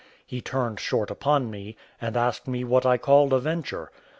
He turned short upon me, and asked me what I called a venture?